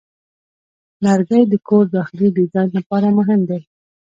لرګی د کور داخلي ډیزاین لپاره مهم دی.